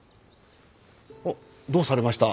あっどうされました？